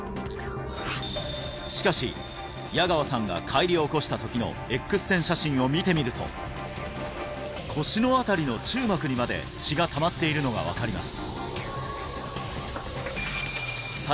しかし矢川さんが解離を起こした時のＸ線写真を見てみると腰の辺りの中膜にまで血がたまっているのが分かります